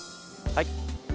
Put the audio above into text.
はい。